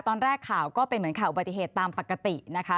ตอนแรกข่าวก็เป็นเหมือนข่าวอุบัติเหตุตามปกตินะคะ